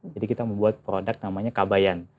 jadi kita membuat produk namanya kabayan